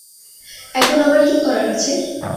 এখন আমার কী করার আছে?